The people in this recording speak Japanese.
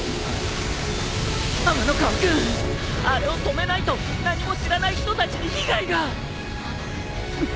天ノ河君あれを止めないと何も知らない人たちに被害が！